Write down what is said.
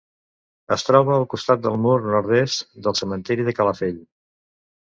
Es troba al costat del mur nord-est del cementiri de Calafell.